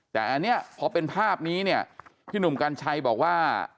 แต่อันนี้พอเป็นภาพนี้เนี่ยพี่หนุ่มกัญชัยบอกว่า